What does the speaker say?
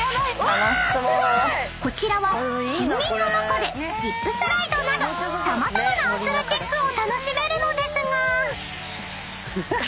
［こちらは森林の中でジップスライドなど様々なアスレチックを楽しめるのですが］